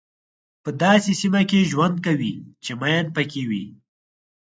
په داسې سیمه کې ژوند کوئ چې ماین پکې وي.